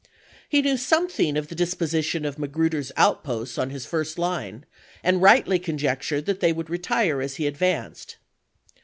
He knew something of the disposition of Magruder's outposts on his first line, and rightly conjectured that they would retire as he advanced.